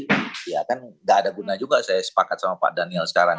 jadi ya kan gak ada guna juga saya sepakat sama pak daniel sekarang